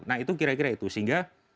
nah itu kira kira itu sehingga